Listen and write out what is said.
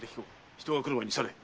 人が来る前に去れ！